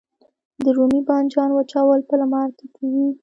د رومي بانجان وچول په لمر کې کیږي؟